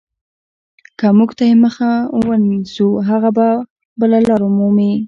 که موږ یې مخه ونیسو هغه بله لار مومي.